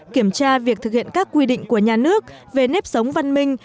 kiểm tra việc thực hiện các quy định của nhà nước về nếp sống văn minh